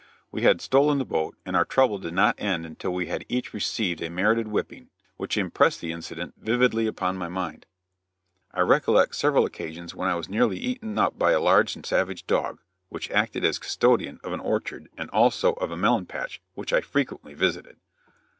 We had stolen the boat, and our trouble did not end until we had each received a merited whipping, which impressed the incident vividly upon my mind. I recollect several occasions when I was nearly eaten up by a large and savage dog, which acted as custodian of an orchard and also of a melon patch, which I frequently visited.